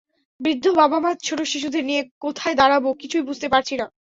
বৃদ্ধ মা-বাবা, ছোট শিশুদের নিয়ে কোথায় দাঁড়াব কিছুই বুঝতে পারছি না।